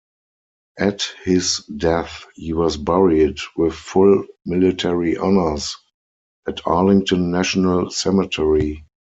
At his death he was buried with full military honors, at Arlington National Cemetery.